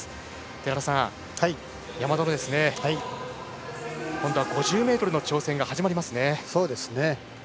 寺田さん、山田は今度は５０ｍの挑戦が始まりますね。